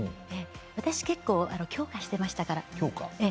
私は結構強化していましたから。